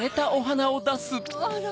あら？